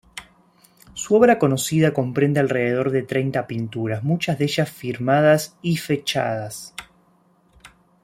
Su obra conocida comprende alrededor de treinta pinturas, muchas de ellas firmadas y fechadas.